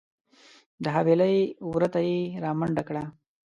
د حویلۍ وره ته یې رامنډه کړه .